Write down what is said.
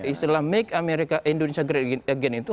istilah make america indonesia great again itu